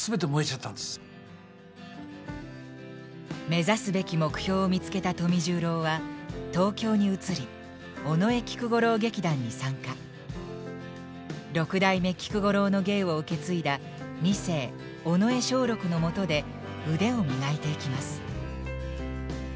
目指すべき目標を見つけた富十郎は六代目菊五郎の芸を受け継いだ二世尾上松緑のもとで腕を磨いていきます。